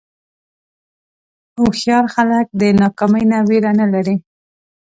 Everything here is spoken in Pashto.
هوښیار خلک د ناکامۍ نه وېره نه لري.